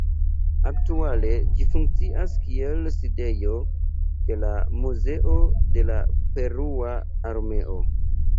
Aktuale ĝi funkcias kiel sidejo de la Muzeo de la Perua Armeo.